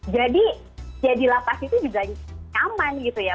jadi jadi lapas itu juga nyaman gitu ya